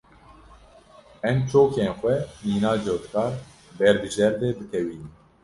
Em çokên xwe mîna cotkar ber bi jêr ve bitewînin.